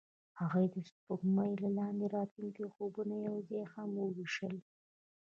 هغوی د سپوږمۍ لاندې د راتلونکي خوبونه یوځای هم وویشل.